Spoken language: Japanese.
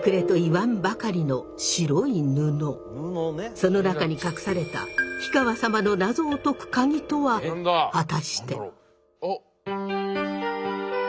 その中に隠された火川様の謎を解く鍵とは果たして。